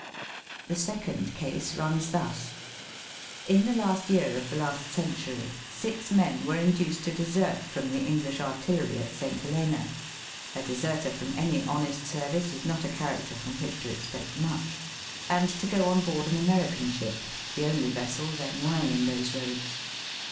The second case runs thus. In the last year of the last century, six men were induced to desert from the English artillery at St. Helena •— a deserter from any honest service is not a character from which to expect much — and to go on board an American ship, the only vessel then lying in those roads.